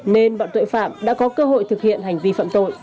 nên bọn tội phạm đã có cơ hội thực hiện hành vi phạm tội